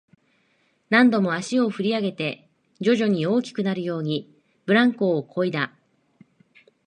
何度も足を振り上げて、徐々に大きくなるように、ブランコをこいだ